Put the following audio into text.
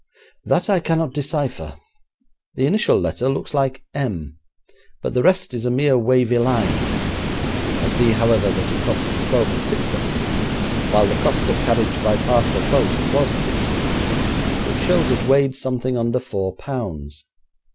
'That I cannot decipher. The initial letter looks like "M", but the rest is a mere wavy line. I see, however, that it cost twelve and sixpence, while the cost of carriage by parcel post was sixpence, which shows it weighed something under four pounds.